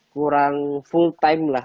kurang full time lah